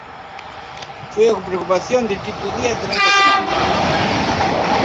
Foi a preocupación de Tito Díaz durante a semana.